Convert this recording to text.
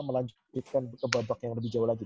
melanjutkan ke babak yang lebih jauh lagi